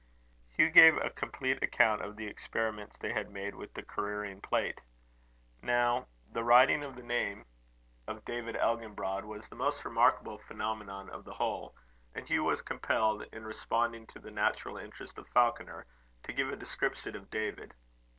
Hugh gave a complete account of the experiments they had made with the careering plate. Now the writing of the name of David Elginbrod was the most remarkable phenomenon of the whole, and Hugh was compelled, in responding to the natural interest of Falconer, to give a description of David.